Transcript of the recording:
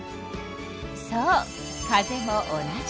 そう風も同じ。